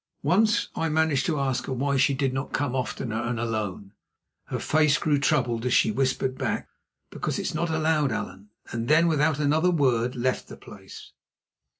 Once I managed to ask her why she did not come oftener and alone. Her face grew troubled as she whispered back, "Because it is not allowed, Allan," and then without another word left the place.